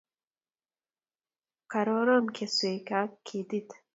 Karoron keswek ab keti